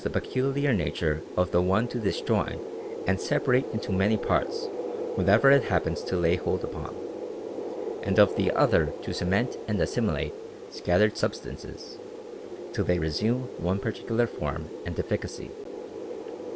peculiar nature of the one to disjoin and separate into many parts whatever it happens to lay hold upon, and of the other to cement and assimilate scattered substances, till they resume one particular form and efficacy.